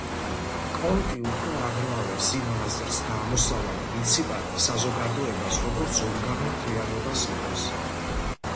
კონტი უფრო აღრმავებს ამ აზრს და ამოსავალ პრინციპად საზოგადოებას როგორც ორგანულ მთლიანობას იღებს.